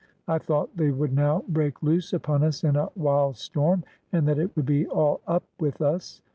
I thought they would now break loose upon us in a wild storm and that it would be all up with us.